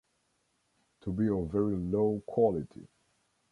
To be of very low quality.